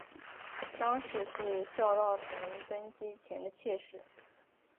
张氏是萧道成登基前的妾室。